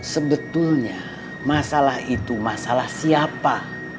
sebetulnya masalah itu masalah siapa